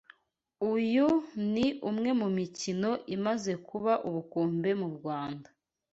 Uyu ni umwe mu mikino imaze kuba ubukombe mu Rwanda